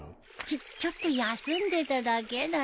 ちょちょっと休んでただけだよ。